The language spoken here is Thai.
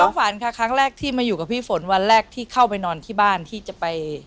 ฝันค่ะครั้งแรกที่มาอยู่กับพี่ฝนวันแรกที่เข้าไปนอนที่บ้านที่จะไป